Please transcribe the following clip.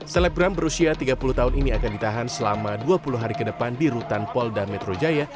selebgram berusia tiga puluh tahun ini akan ditahan selama dua puluh hari ke depan di rutan polda metro jaya